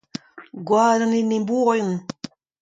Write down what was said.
Gwa d'an enebourion !